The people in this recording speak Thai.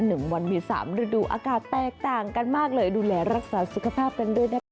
หนึ่งวันมีสามฤดูอากาศแตกต่างกันมากเลยดูแลรักษาสุขภาพกันด้วยนะคะ